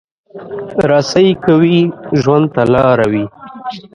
رسۍ که وي، ژوند ته لاره وي.